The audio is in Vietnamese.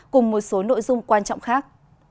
cùng một số nội dung quan trọng khác